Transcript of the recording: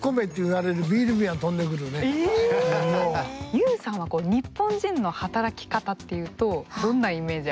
ＹＯＵさんは日本人の働き方っていうとどんなイメージありますか？